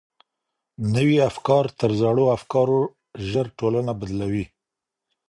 نوي افکار تر زړو افکارو ژر ټولنه بدلوي.